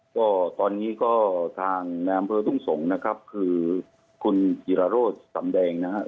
ก็ตอนนี้ก็ทางในอำเภอทุ่งสงศ์นะครับคือคุณจิรโรธสำแดงนะฮะ